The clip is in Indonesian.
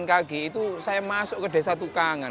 ke kg itu saya masuk ke desa tukangan